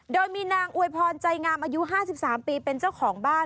โดยมีนางอวยพรใจงามอายุ๕๓ปีเป็นเจ้าของบ้าน